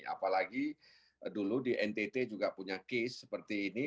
apalagi dulu di ntt juga punya kes seperti ini